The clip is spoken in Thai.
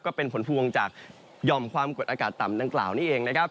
ก็เป็นผลพวงจากหย่อมความกดอากาศต่ำดังกล่าวนี้เองนะครับ